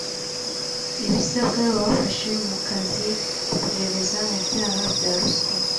ibisabwa bafasha mu kazi k iperereza mu byaha bya ruswa